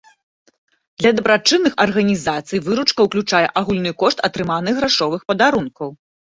Для дабрачынных арганізацый выручка ўключае агульны кошт атрыманых грашовых падарункаў.